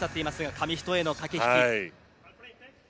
紙一重の駆け引き。